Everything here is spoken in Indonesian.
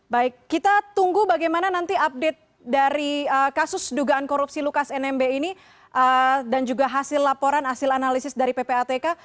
baik kita tunggu bagaimana nanti update dari kasus dugaan korupsi lukas nmb ini dan juga hasil laporan hasil analisis dari ppatk